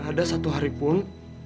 ada satu hari pun